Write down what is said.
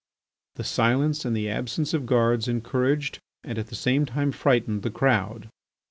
This silence and the absence of guards encouraged and at the same time frightened the crowd.